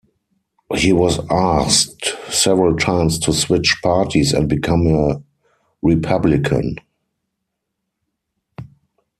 He was asked several times to switch parties and become a Republican.